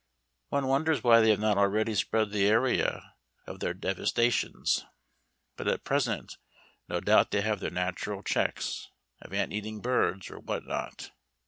One wonders why they have not already spread the area of their devastations. But at present no doubt they have their natural checks, of ant eating birds, or what not.